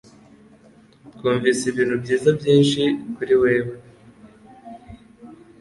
Twumvise ibintu byiza byinshi kuri wewe.